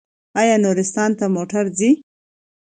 آیا نورستان ته موټر ځي؟